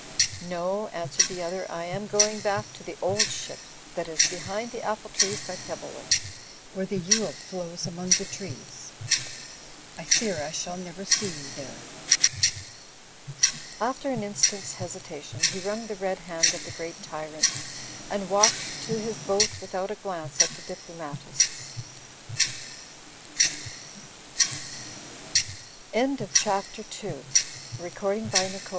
"No," answered the other, "I am going back to The Old Ship' that is behind the apple trees by Pebble wick ; where the XJle flows among the trees. I fear I shall never see you there." After an instant's hesitation he wrung the red hand of the great tyrant and walked to his boat without a glance a